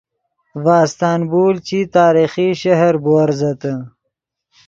ڤے استنبول چی تاریخی شہر بوورزتے